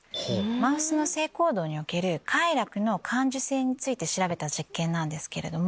マウスの性行動における快楽の感受性について調べた実験なんですけれども。